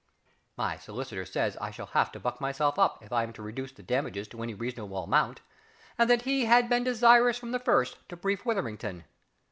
My solicitor says I shall have to buck myself up if I am to reduce the damages to any reasonable amount, and that he had been desirous from the first to brief WITHERINGTON.